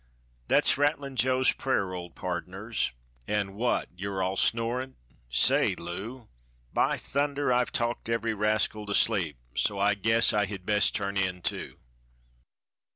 Thet's Rattlin' Joe's prayer, old pardners, An' what! You all snorin'? Say, Lew By thunder! I've talked every rascal to sleep, So I guess I hed best turn in, too.